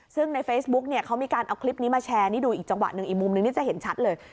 ซึ่งในเฟซบุ๊กเนี่ยเขามีการเอาคลิปนี้มาแชร์นี่ดูอีกจังหวะหนึ่งอีกมุมนึงนี่จะเห็นชัดเลย